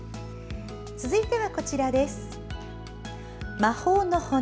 続いては、こちらです。